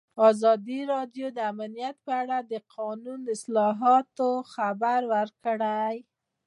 ازادي راډیو د امنیت په اړه د قانوني اصلاحاتو خبر ورکړی.